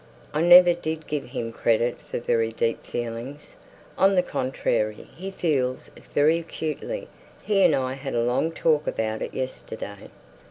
"I never did give him credit for very deep feelings." "On the contrary, he feels it very acutely. He and I had a long talk about it, yesterday."